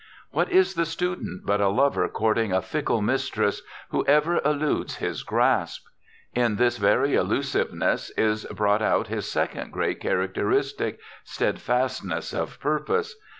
What is the student but a lover courting a fickle mistress who ever eludes his grasp? In this very elusiveness is brought out his second great characteristic steadfastness of purpose.